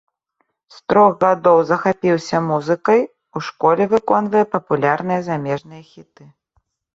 З трох гадоў захапіўся музыкай, у школе выконвае папулярныя замежныя хіты.